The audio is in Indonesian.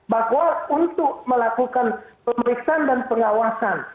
bahwa untuk melakukan pemeriksaan dan pengawasan